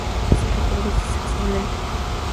Se reproduce sexualmente.